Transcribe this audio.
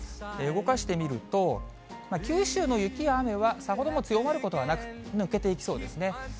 動かしてみると、九州の雪や雨は、さほど強まることはなく、抜けていきそうですね。